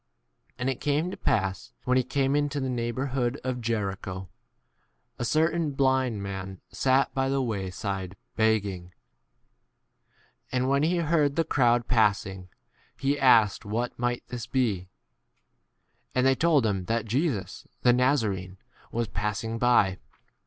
33 And it came to pass, when he came into the neighbourhood of Jericho, a certain blind man sat 36 by the way side beg'ging. And when he heard the crowd passing 1 , he asked what might this be. 37 And they told him that Jesus the 38 Nazaraean was passing by.